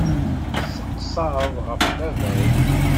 Tesseqsaḍ ɣef baba-k.